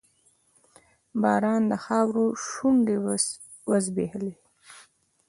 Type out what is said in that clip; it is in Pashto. باران د خاورو شونډې وځبیښلې